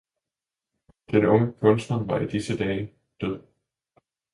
Den unge kunstner var i disse dage - død!